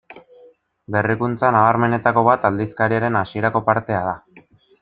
Berrikuntza nabarmenenetako bat aldizkariaren hasierako partea da.